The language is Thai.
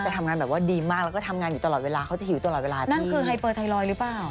ทำงานแบบว่าดีมากแล้วก็ทำงานอยู่ตลอดเวลาเขาจะหิวตลอดเวลาแต่มันคือไฮเปอร์ไทรอยด์หรือเปล่า